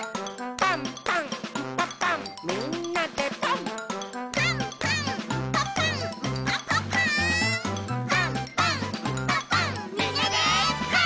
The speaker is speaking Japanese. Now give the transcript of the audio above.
「パンパンんパパンみんなでパン！」